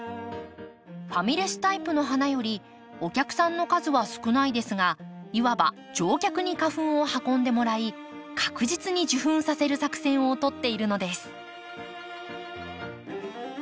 ファミレスタイプの花よりお客さんの数は少ないですがいわば常客に花粉を運んでもらい確実に受粉させる作戦を取っているのです。